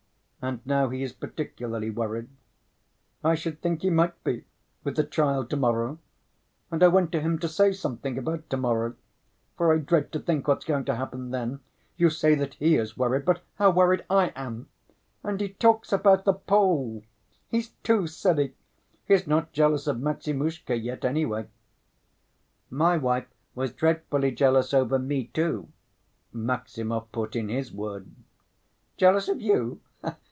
And now he is particularly worried." "I should think he might be, with the trial to‐morrow. And I went to him to say something about to‐morrow, for I dread to think what's going to happen then. You say that he is worried, but how worried I am! And he talks about the Pole! He's too silly! He is not jealous of Maximushka yet, anyway." "My wife was dreadfully jealous over me, too," Maximov put in his word. "Jealous of you?"